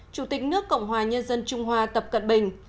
chủ tịch nước cộng hòa nhân dân trung hoa tập cận bình